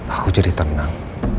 aku jadi tenang